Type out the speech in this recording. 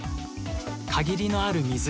限りのある水。